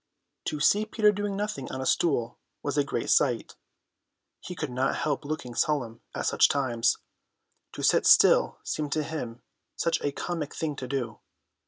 To see Peter doing nothing on a stool was a great sight; he could not help looking solemn at such times, to sit still seemed to him such a comic thing to do.